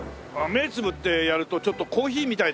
目つぶってやるとちょっとコーヒーみたいだねって